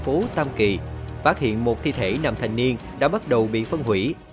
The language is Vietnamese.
phát hiện một thi thể nam thành niên đã bắt đầu bị phân hủy